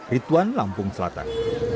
rituan lampung selatan